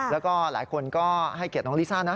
แล้วก็หลายคนก็ให้เกียรติน้องลิซ่านะ